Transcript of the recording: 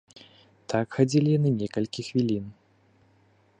Так хадзілі яны некалькі хвілін.